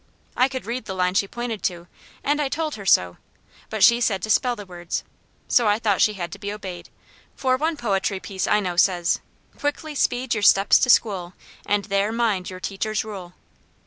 I could read the line she pointed to, and I told her so, but she said to spell the words; so I thought she had to be obeyed, for one poetry piece I know says: "Quickly speed your steps to school And there mind your teacher's rule."